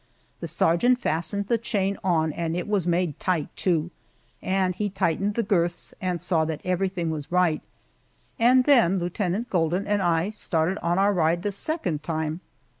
The sergeant fastened the chain on and it was made tight, too, and he tightened the girths and saw that everything was right, and then Lieutenant Golden and I started on our ride the second time.